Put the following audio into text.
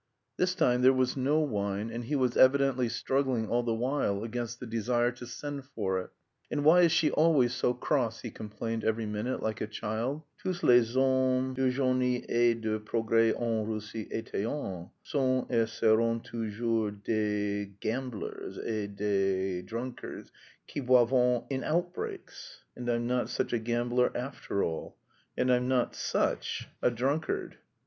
This time there was no wine, and he was evidently struggling all the while against the desire to send for it. "And why is she always so cross?" he complained every minute, like a child. "Tous les hommes de génie et de progrès en Russie étaient, sont, et seront toujours des gamblers et des drunkards qui boivent in outbreaks... and I'm not such a gambler after all, and I'm not such a drunkard.